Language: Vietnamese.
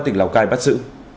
tỉnh lào cai bắt giữ